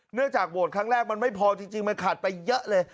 เนื่องจากโวตรคราบแรกมันไม่พอจริงมันขาดไปเยอะเลย